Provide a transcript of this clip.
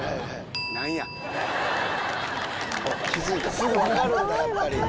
すぐ分かるんだやっぱり。